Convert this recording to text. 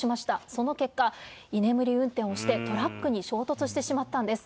その結果、居眠り運転をしてトラックに衝突してしまったんです。